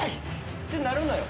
ってなるのよ。